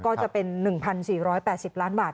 ก็จะเป็น๑๔๘๐ล้านบาท